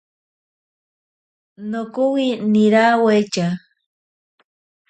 Nokowi nirawaite.